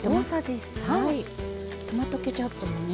トマトケチャップもね